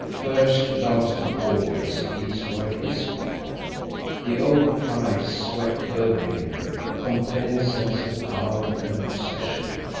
First, last, and always these were his people. The old pride swept over him, a compelling sense of power and possession.